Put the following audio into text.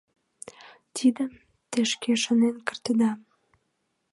Тидым те шке шынен кертыда.